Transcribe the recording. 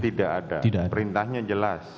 tidak ada perintahnya jelas